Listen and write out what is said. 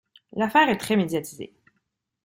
L'affaire est très médiatisée.